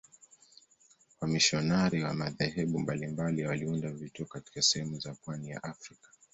Wamisionari wa madhehebu mbalimbali waliunda vituo katika sehemu za pwani ya Afrika.